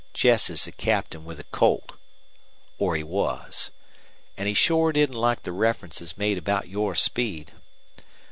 Chess is the captain with a Colt or he was. An' he shore didn't like the references made about your speed.